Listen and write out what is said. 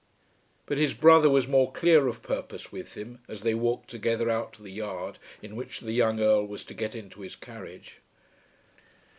But his brother was more clear of purpose with him, as they walked together out to the yard in which the young Earl was to get into his carriage.